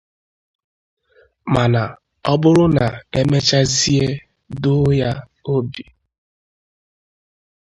Mana ọ bụrụ na e mechazie duo ya obi